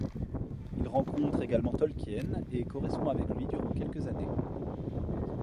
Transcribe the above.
Il rencontre également Tolkien et correspond avec lui durant quelques années.